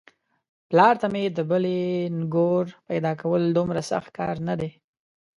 پلار ته مې د بلې نږور پيداکول دومره سخت کار نه دی.